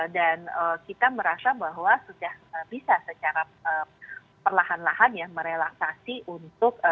dan kita merasa bahwa sudah bisa secara perlahan lahannya merelaksasi untuk